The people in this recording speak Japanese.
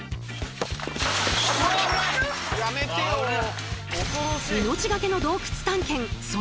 やめてよ。